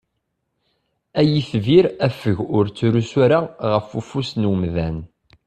Ay itbir afeg ur ttrusu ara ɣef ufus n umdan!